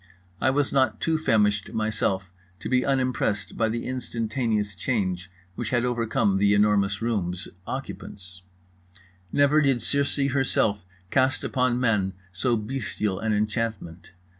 I was not too famished myself to be unimpressed by the instantaneous change which had come over The Enormous Room's occupants. Never did Circe herself cast upon men so bestial an enchantment.